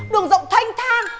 đường rộng thanh thang